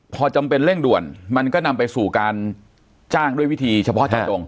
พอจำเป็นเร่งด่วนมันก็นำไปสู่การจ้างด้วยวิธีเฉพาะตรง